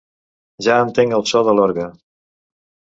Ja entenc el so de l'orgue!